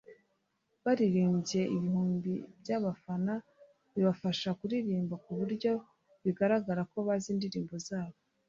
baririmbye ibihumbi by’abafana bibafasha kuririmba ku buryo bigaragara ko bazi indirimbo zabo